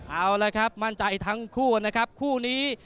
เอาละครับมั่นใจทั้งคู่นะครับคู่นี้